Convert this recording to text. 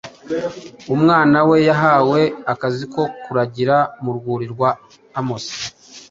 umwana we, yahawe akazi ko kuragira mu rwuri rwa Amos